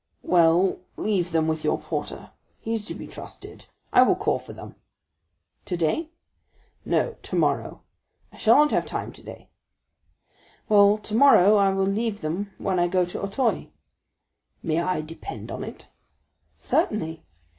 "Well, leave them with your porter; he is to be trusted. I will call for them." "Today?" "No, tomorrow; I shall not have time today." "Well, tomorrow I will leave them when I go to Auteuil." "May I depend on it?" "Certainly."